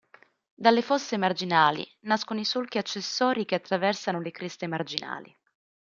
Dalle fosse marginali nascono i solchi accessori che attraversano le creste marginali.